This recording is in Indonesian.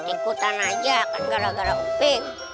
ikutan aja kan gara gara uping